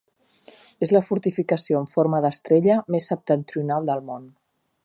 És la fortificació en forma d'estrella més septentrional del món.